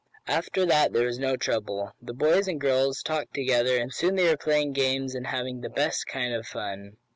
After that there was no trouble. The boys and girls talked together and soon they were playing games, and having the best kind of fun.